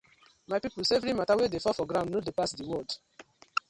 My pipu tok say everi matta wey dey fall for ground no dey pass the world.